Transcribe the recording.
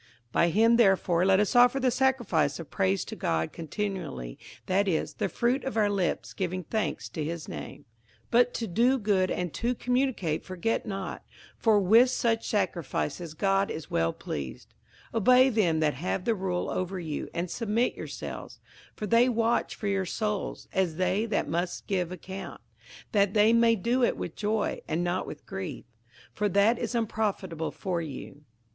58:013:015 By him therefore let us offer the sacrifice of praise to God continually, that is, the fruit of our lips giving thanks to his name. 58:013:016 But to do good and to communicate forget not: for with such sacrifices God is well pleased. 58:013:017 Obey them that have the rule over you, and submit yourselves: for they watch for your souls, as they that must give account, that they may do it with joy, and not with grief: for that is unprofitable for you.